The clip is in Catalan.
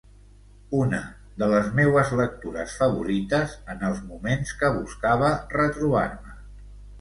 Una de les meues lectures favorites en els moments que buscava retrobar-me.